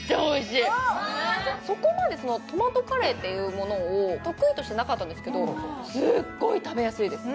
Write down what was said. そこまでトマトカレーというものを得意としてなかったんですけど、すっごい食べやすいです。